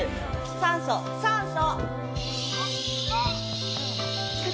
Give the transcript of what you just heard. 酸素、酸素！